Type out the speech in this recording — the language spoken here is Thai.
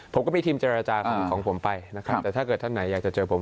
ผมก็มีทีมเจรจาของผมไปนะครับแต่ถ้าเกิดท่านไหนอยากจะเจอผม